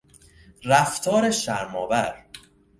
رفتار شرمآور